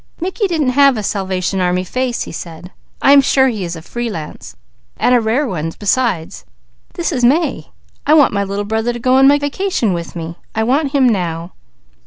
"Mickey didn't have a Salvation Army face," he said. "I am sure he is a free lance, and a rare one; besides, this is May. I want my little brother to go on my vacation with me. I want him now."